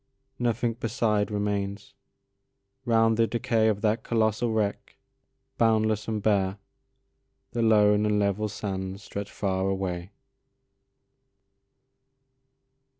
Nothing beside remains: round the decayOf that colossal wreck, boundless and bare, The lone and level sands stretch far away.